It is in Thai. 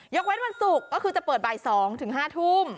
เว้นวันศุกร์ก็คือจะเปิดบ่าย๒๕ทุ่ม